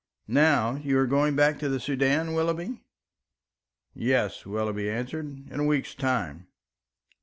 Now you are going back to the Soudan, Willoughby?" "Yes," Willoughby answered, "in a week's time."